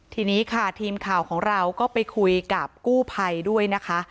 ทีนี้ค่ะทีมข่าวของเราก็ไปคุยกับกู้ภัยด้วยนะคะ